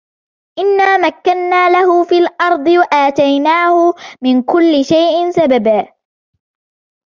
إِنَّا مَكَّنَّا لَهُ فِي الْأَرْضِ وَآتَيْنَاهُ مِنْ كُلِّ شَيْءٍ سَبَبًا